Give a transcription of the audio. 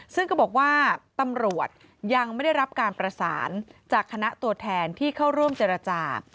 ซึ่งก็บอกว่าตำรวจยังไม่ได้รับการประสานจากคณะตัวแทนที่เข้าร่วมเจรจา